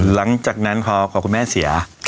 หลังจากนั้นพอคุณแม่เสีย